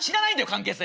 関係性。